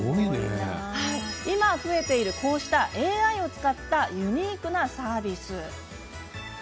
今、増えているこうしたＡＩを使ったユニークなサービス。